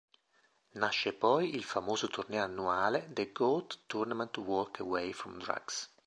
Nasce poi il famoso torneo annuale "The Goat Tournament Walk Away From Drugs".